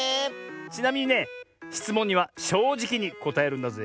ちなみにねしつもんにはしょうじきにこたえるんだぜえ。